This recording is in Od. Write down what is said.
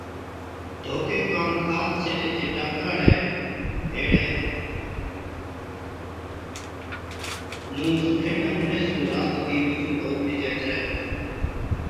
ڌوڪي ڪاڻ خاص ڇيلي چي ٽانڪان ھاڙي ھيڙي (سئُون گوڻِيئَي، جڪا چا ذڪر مٿي بِي ڪلا گيلا ڇَي) نُون سُٺي نمُوني سُون رانڌتِي اوسُون ڌوڪ ڏِجي ڇَي